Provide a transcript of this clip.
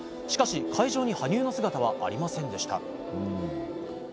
しかし、会場に羽生の姿はありませんでした。